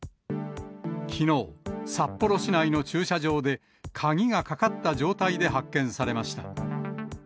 きのう、札幌市内の駐車場で鍵がかかった状態で発見されました。